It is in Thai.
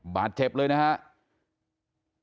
บาดเจ็บเลยนะครับ